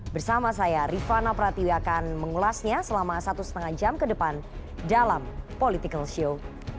bersama saya rifana pratiwi akan mengulasnya selama satu lima jam ke depan dalam political show